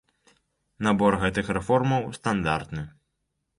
Набор гэтых рэформаў стандартны.